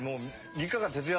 ３日間徹夜！？